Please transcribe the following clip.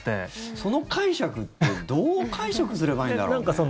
その解釈ってどう解釈すればいいんだろうね。